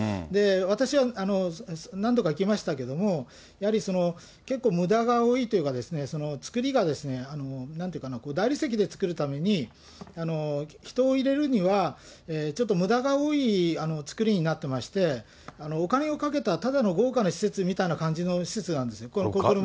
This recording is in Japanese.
私は何度か行きましたけども、やはり結構むだが多いというか、造りが、なんて言うかな、大理石で作るために、人を入れるには、ちょっとむだが多い造りになってまして、お金をかけた、ただの豪華な施設みたいな感じの施設なんです。